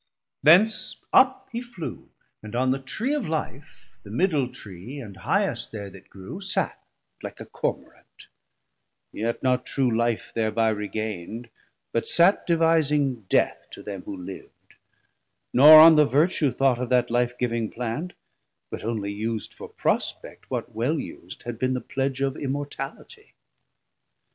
Thence up he flew, and on the Tree of Life, The middle Tree and highest there that grew, Sat like a Cormorant; yet not true Life Thereby regaind, but sat devising Death To them who liv'd; nor on the vertue thought Of that life giving Plant, but only us'd For prospect, what well us'd had bin the pledge 200 Of immortalitie.